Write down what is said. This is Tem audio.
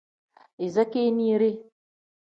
Iza keeniire.